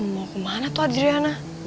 mau ke mana tuh adriana